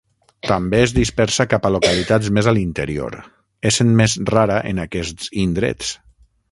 També es dispersa cap a localitats més a l'interior, essent més rara en aquests indrets.